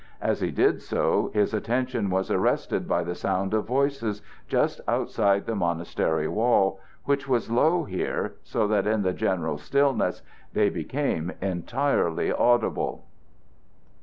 As he did so, his attention was arrested by the sound of voices just outside the monastery wall, which was low here, so that in the general stillness they became entirely audible.